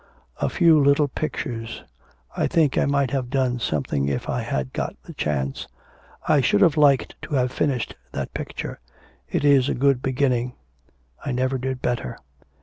A few little pictures ... I think I might have done something if I had got the chance. I should have liked to have finished that picture. It is a good beginning. I never did better.'